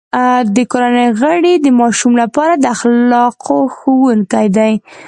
د کورنۍ غړي د ماشوم لپاره د اخلاقو ښوونکي دي.